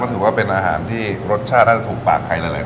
ถือว่าเป็นอาหารที่รสชาติน่าจะถูกปากใครหลายคน